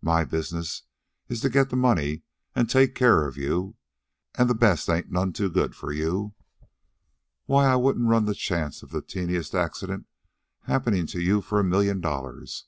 My business is to get the money an' take care of you. An' the best ain't none too good for you. Why, I wouldn't run the chance of the teeniest accident happenin' to you for a million dollars.